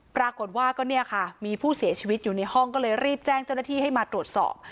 ปรากฏว่าก็เนี่ยค่ะมีผู้เสียชีวิตอยู่ในห้องก็เลยรีบแจ้งเจ้าหน้าที่ให้มาตรวจสอบ